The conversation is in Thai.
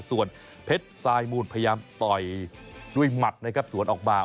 ส่วนเพชรสายมูลพยายามต่อยด้วยหมัดนะครับสวนออกมา